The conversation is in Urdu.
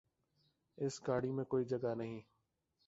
اس گاڑی میں کوئی جگہ نہیں